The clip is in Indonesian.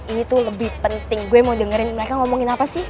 ini tuh lebih penting gue mau dengerin mereka ngomongin apa sih